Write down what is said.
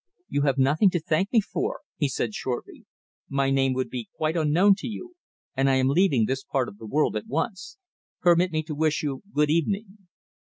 "You have nothing to thank me for," he said shortly. "My name would be quite unknown to you, and I am leaving this part of the world at once. Permit me to wish you good evening!"